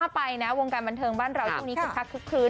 เวลาล่าไปวงการบันเทิงบ้านเราคืนคั่กคลึ่ง